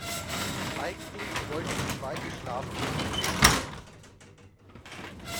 Eigentlich wollten sie beide schlafen gehen.